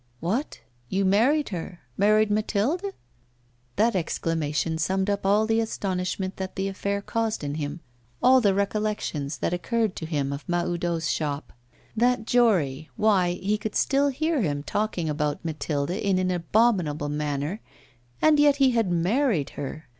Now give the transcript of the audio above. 'What! you married her married Mathilde?' That exclamation summed up all the astonishment that the affair caused him, all the recollections that occurred to him of Mahoudeau's shop. That Jory, why, he could still hear him talking about Mathilde in an abominable manner; and yet he had married her!